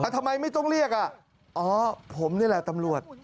ทำไมไม่ต้องเรียกอ๋อผมนี่แหละตำรวจ